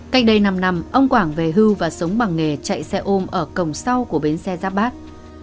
cách đây năm năm ông quảng về hưu và sống bằng nghề chạy xe ôm ở cổng sau của bến xe giáp bát